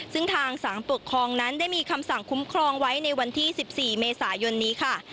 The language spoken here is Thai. ซึ่งทางสารปกครองนั้นได้มีคำสั่งคุ้มครองไว้ในวันที่๑๔เมษายนนี้ค่ะ